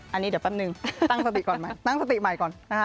อันนี้เดี๋ยวแป๊บนึงตั้งสติก่อน